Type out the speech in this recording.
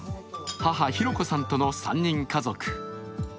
母・浩子さんとの３人家族。